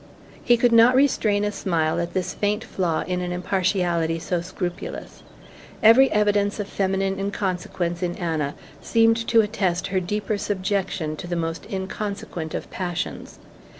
He could not restrain a smile at this faint flaw in an impartiality so scrupulous. Every evidence of feminine inconsequence in Anna seemed to attest her deeper subjection to the most inconsequent of passions.